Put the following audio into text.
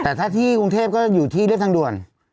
แต่ถ้าที่กรุงเทพก็อยู่ที่เรียบทางด่วน